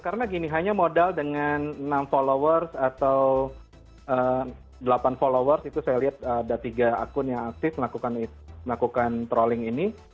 karena gini hanya modal dengan enam followers atau delapan followers itu saya lihat ada tiga akun yang aktif melakukan trolling ini